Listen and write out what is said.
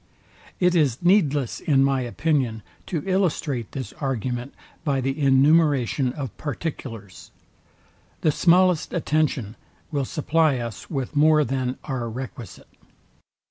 It is needless in my opinion to illustrate this argument by the enumeration of particulars. The smallest attention will supply us with more than are requisite.